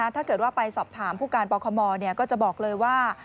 ถ้าเกิดว่าไปสอบถามผู้การปคมก็จะบอกเลยว่า